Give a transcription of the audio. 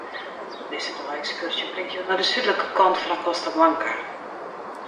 Dizze dei-ekskurzje bringt jo nei de súdlike kant fan 'e Costa Blanca.